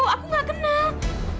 aku nggak kenal